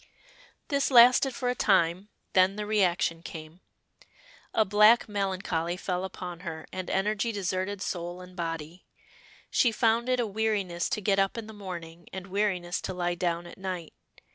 This lasted for a time, then the reaction came. A black melancholy fell upon her, and energy deserted soul and body. She found it a weariness to get up in the morning and weariness to lie down at night.